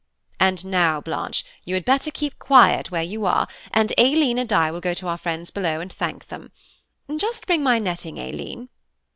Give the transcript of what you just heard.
And now, Blanche, you had better keep quiet where you are, and Aileen and I will go to our friends below and thank them. Just bring my netting, Aileen."